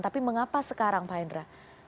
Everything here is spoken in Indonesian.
tapi mengapa sekarang pak hendra